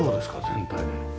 全体で。